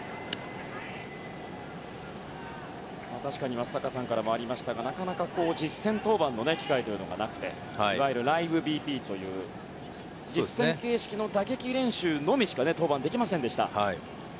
松坂さんからもありましたがなかなか実戦登板の機会がなくていわゆるライブＢＰという実戦形式の打撃練習しか登板できませんでした。